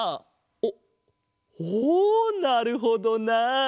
おっおおなるほどなあ！